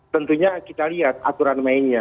tentunya kita lihat aturan mainnya